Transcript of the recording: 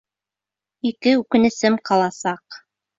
Ике үкенесем ҡаласаҡ.